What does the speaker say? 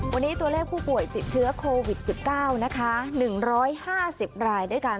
วันนี้ตัวเลขผู้ป่วยติดเชื้อโควิดสิบเก้านะคะหนึ่งร้อยห้าสิบรายด้วยกัน